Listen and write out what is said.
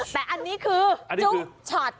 แต่อันนี้คือจุ๊บช็อต